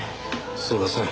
すみません